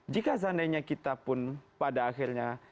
jika seandainya kita pun pada akhirnya